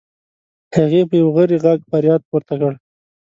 هغې په یو غری غږ فریاد پورته کړ.